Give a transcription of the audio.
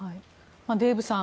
デーブさん